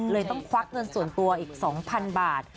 เลยต้องควักเงินส่วนตัวอีก๒๐๐๐บาท